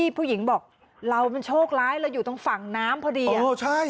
ผู้หญิงบอกเรามันโชคร้ายเราอยู่ตรงฝั่งน้ำพอดี